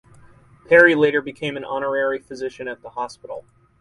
Perry later became an honorary physician at the hospital.